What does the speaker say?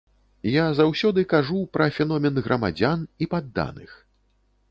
Я заўсёды кажу пра феномен грамадзян і падданых.